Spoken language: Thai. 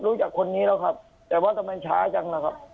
รู้จักคนนี้แล้วครับแต่ว่าทำไมช้าจังนะครับ